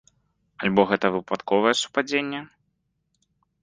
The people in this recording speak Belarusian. Альбо гэта выпадковае супадзенне?